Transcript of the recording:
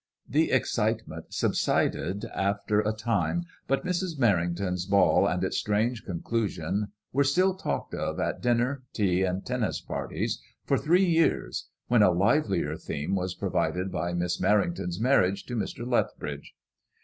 The excitement subsided after a time, but Mrs. Merrington's ball and its strange conclusion were still talked of at dinner, tea, and tennis parties for three years, when a livelier theme was provided by Miss Merrington's marriage to Mr. Lethbridge.